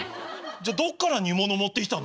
じゃどっから煮物持ってきたの？